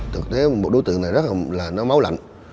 thực tế một đối tượng này rất là nó máu lạnh